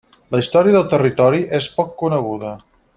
La història del territori és poc coneguda.